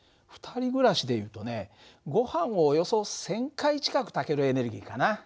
２人暮らしでいうとねごはんをおよそ１，０００回近く炊けるエネルギーかな。